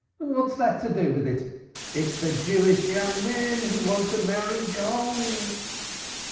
"What's that to do with it? It's the Jewish young men who want to marry gold."